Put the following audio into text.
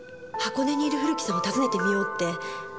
箱根にいる古木さんを訪ねてみようって。